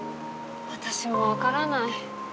私も分からない。